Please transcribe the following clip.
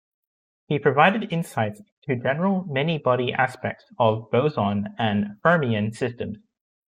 He provided insights into general many-body aspects of boson and fermion systems.